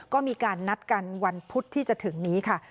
ก็มีการนัดกันวันพุธที่จะถึงนี้ค่ะ